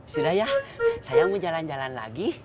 sudah ya saya mau jalan jalan lagi